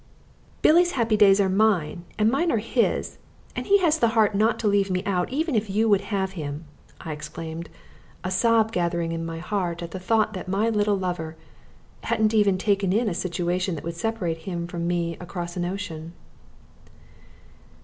"Billy's happy days are mine and mine are his, and he has the heart not to leave me out even if you would have him!" I exclaimed, a sob gathering in my heart at the thought that my little lover hadn't even taken in a situation that would separate him from me across an ocean.